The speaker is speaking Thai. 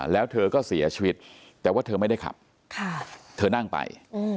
แล้วเธอก็เสียชีวิตแต่ว่าเธอไม่ได้ขับเธอนั่งไป